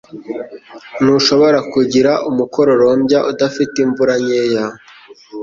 Ntushobora kugira umukororombya udafite imvura nkeya.